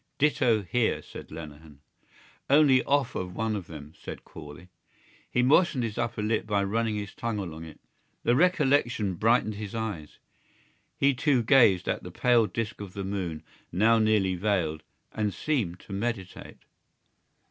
"Ditto here," said Lenehan. "Only off of one of them," said Corley. He moistened his upper lip by running his tongue along it. The recollection brightened his eyes. He too gazed at the pale disc of the moon, now nearly veiled, and seemed to meditate.